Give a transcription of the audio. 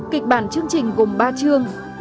kịch bản chương trình gồm ba chương